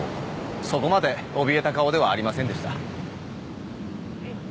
そこまでおびえた顔ではありませんでしたえっ